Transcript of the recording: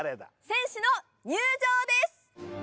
選手の入場です！